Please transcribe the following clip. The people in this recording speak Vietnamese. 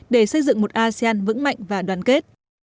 để xây dựng một asean vững mạnh và đoàn kết